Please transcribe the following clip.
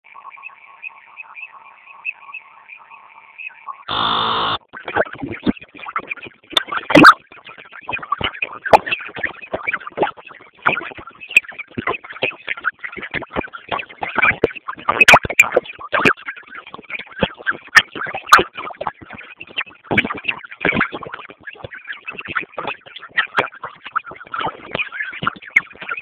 Ugonjwa wa mapele ya ngozi kwa ngombe